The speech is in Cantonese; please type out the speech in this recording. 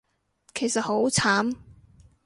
其實好慘